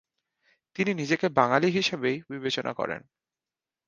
তিনি নিজেকে বাঙালি হিসাবেই বিবেচনা করেন।